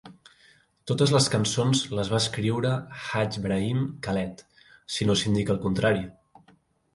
Totes les cançons les va escriure Hadj Brahim Khaled, si no s'indica el contrari.